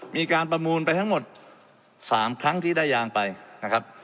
มีการประมูลไปทั้งหมด๓ครั้งที่ได้ยางไปนะครับ